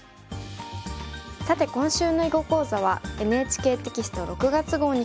さて今週の囲碁講座はＮＨＫテキスト６月号に詳しく載っています。